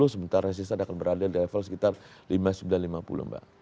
sementara resistan akan berada di level sekitar lima sembilan ratus lima puluh mbak